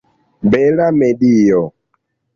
Bela medio!